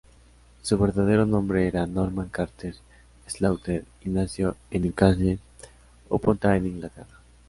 Su verdadero nombre era Norman Carter Slaughter, y nació en Newcastle upon Tyne, Inglaterra.